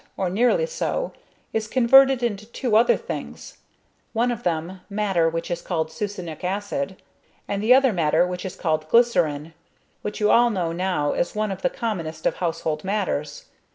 or nearly so, is converted into two other things; one of them, matter which is called succinic acid, and the other matter which is called glycerine, which you all know now as one of the commonest of household matters.